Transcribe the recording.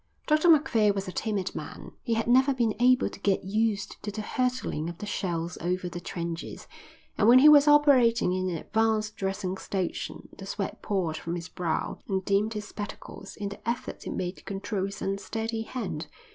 Dr Macphail was a timid man. He had never been able to get used to the hurtling of the shells over the trenches, and when he was operating in an advanced dressing station the sweat poured from his brow and dimmed his spectacles in the effort he made to control his unsteady hand.